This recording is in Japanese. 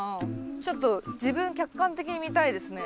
ちょっと自分客観的に見たいですね。